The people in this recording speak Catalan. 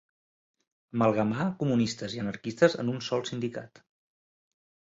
Amalgamar comunistes i anarquistes en un sol sindicat.